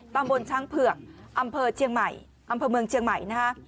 ตามบนช่างเผื่อกอำเพอเมืองเชียงใหม่